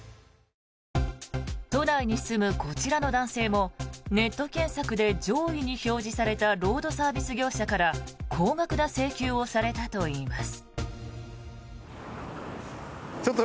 都内に住むこちらの男性もネット検索で上位に表示されたロードサービス業者から高額な請求をされたといいます。